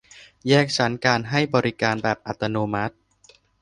แยกชั้นการให้บริการแบบอัตโนมัติ